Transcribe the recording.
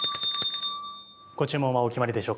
ご注文はお決まりでしょうか？